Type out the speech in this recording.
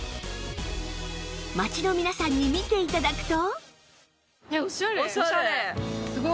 街の皆さんに見て頂くと